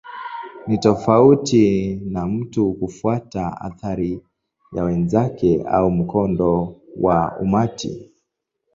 Ni tofauti na mtu kufuata athari ya wenzake au mkondo wa umati.